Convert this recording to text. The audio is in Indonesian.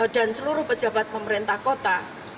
bagi saya dan seluruh pejabat pemerintah kota